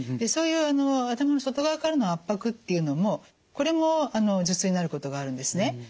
そういう頭の外側からの圧迫っていうのもこれも頭痛になることがあるんですね。